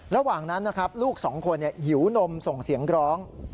ระหว่างนั้นนะครับลูกสองคนหิวนมส่งเสียงร้อง